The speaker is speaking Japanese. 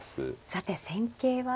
さて戦型は。